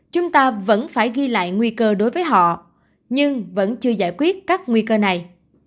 chúng ta vẫn phải ghi lại nguy cơ đối với họ nhưng vẫn chưa giải quyết các nguy cơ này